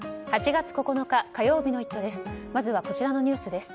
８月９日、火曜日の「イット！」です。